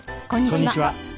こんにちは。